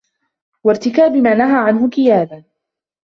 وَارْتِكَابِ مَا نَهَى عَنْهُ كِيَادًا